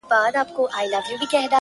• که ستا چيري اجازه وي محترمه..